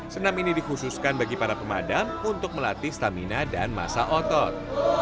senam ini dikhususkan bagi para pemadam untuk melatih stamina dan masa otot